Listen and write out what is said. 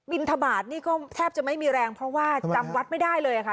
ทบาทนี่ก็แทบจะไม่มีแรงเพราะว่าจำวัดไม่ได้เลยค่ะ